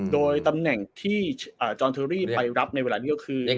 โดยตำแหน่งที่อ่าไปรับในเวลานี้ก็คือ